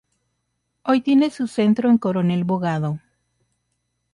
Hoy tiene su centro en Coronel Bogado.